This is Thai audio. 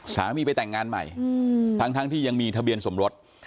ไปแต่งงานใหม่ทั้งที่ยังมีทะเบียนสมรส